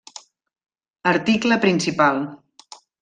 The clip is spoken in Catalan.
Article principal: